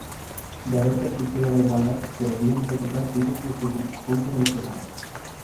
De haber persistido la igualdad, se debían ejecutar tiros desde el punto del penal.